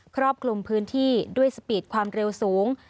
ครอบคลุมพื้นที่ด้วยสปีดความเร็วสูง